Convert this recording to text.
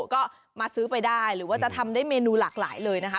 ก็มาซื้อไปได้หรือว่าจะทำได้เมนูหลากหลายเลยนะคะ